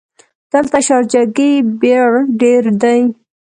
دلته شارجه ګې بیړ ډېر ده.